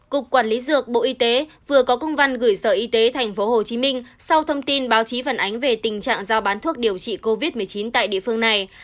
cục quản lý dược bộ y tế vừa có công văn gửi sở y tế tp hcm sau thông tin báo chí phản ánh về tình trạng giao bán thuốc điều trị covid một mươi chín tại địa phương này